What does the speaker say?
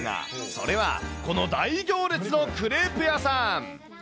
それはこの大行列のクレープ屋さん。